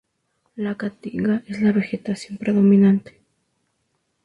La caatinga es la vegetación predominante.